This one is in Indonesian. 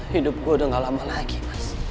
hidup gue udah gak lama lagi mas